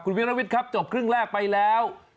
วิรวิทย์ครับจบครึ่งแรกไปแล้ว